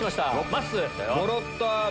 まっすー。